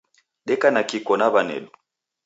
Deka na Kiko na wanedu